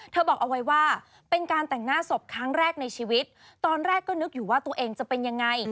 บอกเอาไว้ว่าเป็นการแต่งหน้าศพครั้งแรกในชีวิตตอนแรกก็นึกอยู่ว่าตัวเองจะเป็นยังไง